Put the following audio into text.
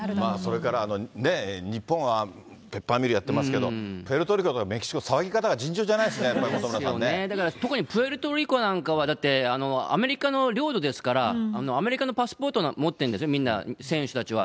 それから日本は、ペッパーミルやってますけど、プエルトリコとかメキシコ、騒ぎ方が尋常じゃないですね、やっぱ特にプエルトリコなんて、アメリカの領土ですから、アメリカのパスポート持ってるんですね、みんな選手たちは。